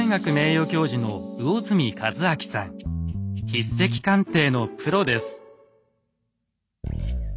筆跡鑑定のプロです。